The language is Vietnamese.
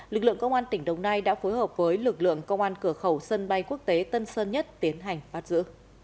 lực lượng công an tỉnh đồng nai đã phối hợp với lực lượng công an cửa khẩu sân bay quốc tế tân sơn nhất tiến hành bắt giữ